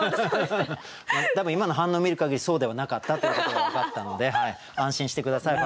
多分今の反応見るかぎりそうではなかったということが分かったので安心して下さい。